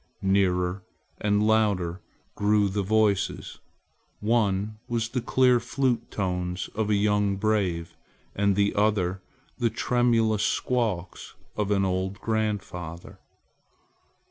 Nearer and louder grew the voices one was the clear flute tones of a young brave and the other the tremulous squeaks of an old grandfather.